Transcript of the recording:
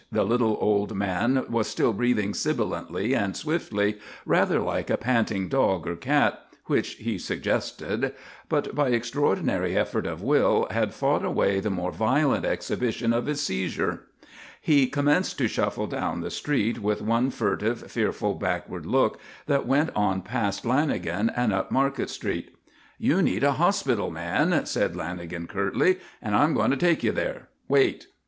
The little old man was still breathing sibilantly and swiftly, rather like a panting dog or cat, which he suggested, but by extraordinary effort of will had fought away the more violent exhibition of his seizure. He commenced to shuffle down the street, with one furtive, fearful, backward look that went on past Lanagan and up Market Street. "You need a hospital, man," said Lanagan curtly, "and I'm going to take you there. Wait."